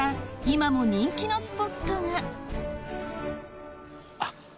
今も人気のスポットがあっ